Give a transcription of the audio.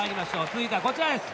続いてはこちらです。